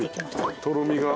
とろみが。